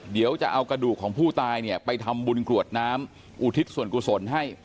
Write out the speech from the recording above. เดี๋ยวจะเอากระดูกของผู้ตายเนี่ยไปทำบุญกรวดน้ำอุทิศส่วนกุศลให้